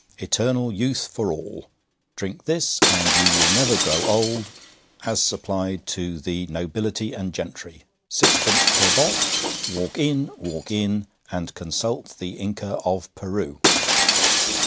ETERNAL YOUTH FOR ALL. DRINK THIS AND YOU WILL NEVER GROW OLD AS SUPPLIED TO THE NOBILITY & GENTRY SIXPENCE PER BOT. WALK IN, WALK IN, & CONSULT THE INCA OF PERU.